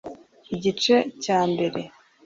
I igice cya mbere